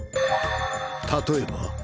例えば？